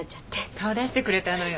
顔出してくれたのよ。